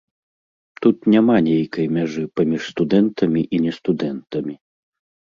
Тут няма нейкай мяжы паміж студэнтамі і нестудэнтамі.